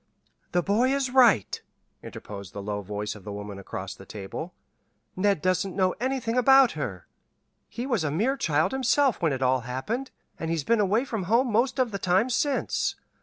"The boy is right," interposed the low voice of the woman across the table. "Ned doesn't know anything about her. He was a mere child himself when it all happened, and he's been away from home most of the time since.